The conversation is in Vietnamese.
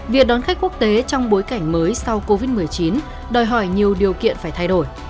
việc đón khách quốc tế trong bối cảnh mới sau covid một mươi chín đòi hỏi nhiều điều kiện phải thay đổi